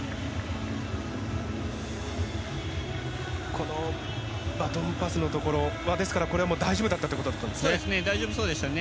このバトンパスのところ大丈夫だったということだったんですね。